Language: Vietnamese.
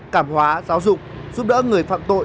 cảm hóa giáo dục giúp đỡ người phạm tội